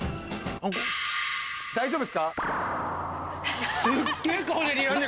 大丈夫ですか？